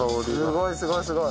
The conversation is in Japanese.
すごいすごいすごい。